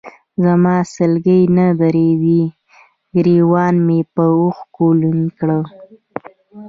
زما سلګۍ نه درېدې، ګرېوان مې به اوښکو لوند کړ.